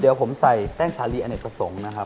เดี๋ยวผมใส่แป้งสาลีอเนกประสงค์นะครับ